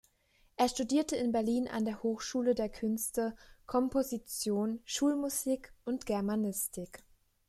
Er studierte in Berlin an der Hochschule der Künste Komposition, Schulmusik und Germanistik.